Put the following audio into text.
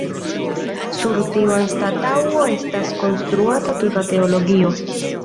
Sur tiu anstataŭo estas konstruata tuta teologio.